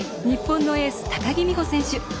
日本のエース、高木美帆選手。